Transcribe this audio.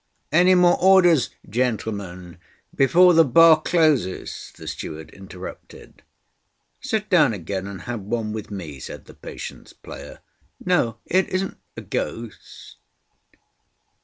"Any more orders, gentlemen, before the bar closes?" the steward interrupted. "Sit down again, and have one with me," said the Patience player. "No, it isn't a ghost.